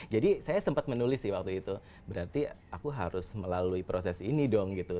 jadi saya sempat menulis sih waktu itu berarti aku harus melalui proses ini dong gitu